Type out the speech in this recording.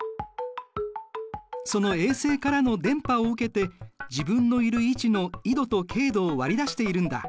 その衛星からの電波を受けて自分のいる位置の緯度と経度を割り出しているんだ。